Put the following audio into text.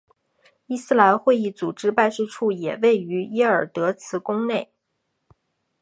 伊斯兰会议组织办事处也位于耶尔德兹宫内。